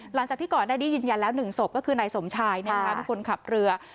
หลังจากที่ก่อนหน้านี้ยืนยันแล้ว๑ศพก็คือนายสมชายเป็นคนขับเรือ